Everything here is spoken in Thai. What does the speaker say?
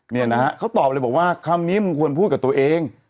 เนี่ยนะฮะเขาตอบเลยบอกว่าคำนี้มึงควรพูดกับตัวเอง